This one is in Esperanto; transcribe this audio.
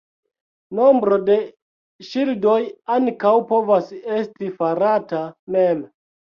Nombro de ŝildoj ankaŭ povas esti farata mem.